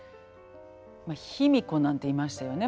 まあ卑弥呼なんていましたよね